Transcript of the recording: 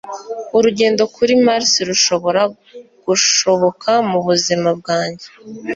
Urugendo kuri Mars rushobora gushoboka mubuzima bwanjye.